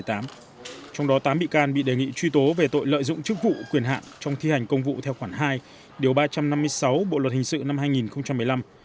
trong đó tám bị can bị đề nghị truy tố về tội lợi dụng chức vụ quyền hạn trong thi hành công vụ theo khoản hai điều ba trăm năm mươi sáu bộ luật hình sự năm hai nghìn một mươi năm